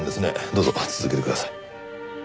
どうぞ続けてください。